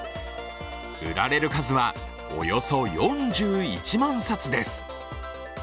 売られる数はおよそ４１万冊です。